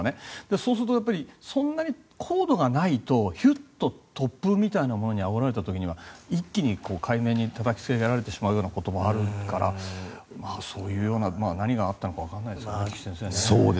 そうするとそんなに高度がないとヒュッと突風みたいなものにあおられた時には一気に海面にたたきつけられてしまうこともあるからそういうような何があったのかわからないですね、菊地先生ね。